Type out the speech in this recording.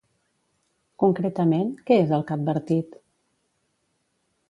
Concretament, què és el que ha advertit?